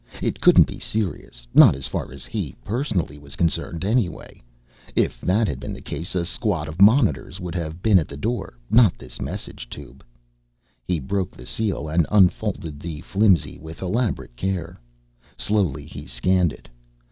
It couldn't be serious, not as far as he personally was concerned anyway. If that had been the case, a squad of monitors would have been at the door. Not this message tube.... He broke the seal and unfolded the flimsy with elaborate care. Slowly, he scanned it.